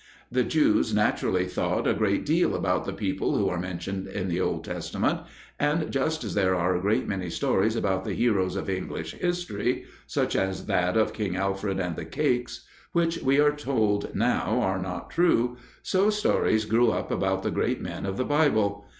The Jews naturally thought a great deal about the people who are mentioned in the Old Testament; and just as there are a great many stories about the heroes of English history such as that of King Alfred and the cakes which, we are told now, are not true, so stories grew up about the great men of the Bible.